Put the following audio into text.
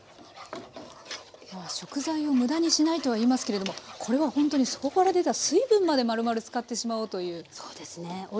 今は食材を無駄にしないとはいいますけれどもこれはほんとに底から出た水分までまるまる使ってしまおうという。